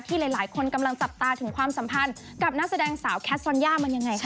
หลายคนกำลังจับตาถึงความสัมพันธ์กับนักแสดงสาวแคสซอนย่ามันยังไงคะ